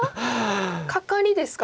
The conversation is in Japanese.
カカリですか？